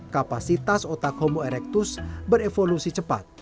kapasitas otak homo erectus berevolusi cepat